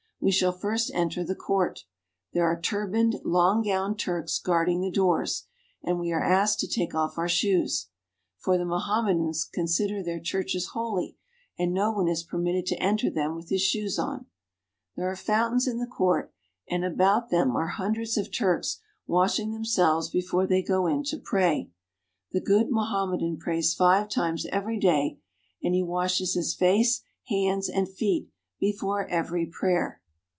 We shall first enter the court. There are turbaned, long gowned Turks guarding the doors, and we are asked to take off our shoes ; for the Mohammedans consider their churches holy, and no one is permitted to enter them with his shoes on. There are fountains in the court, and about them are hundreds AMONG THE MOHAMMEDANS. 377 of Turks washing themselves before they go in to pray. The good Mohammedan prays five times every day, and he washes his face, hands, and feet before every prayer.